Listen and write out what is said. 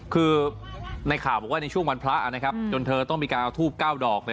คือในข่าวบอกว่าในช่วงวันพระนะครับจนเธอต้องมีการเอาทูบ๙ดอก